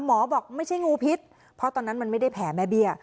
หมอบอกไม่ใช่งูพิษเพราะตอนนั้นมันไม่ได้แผลแม่เบี้ย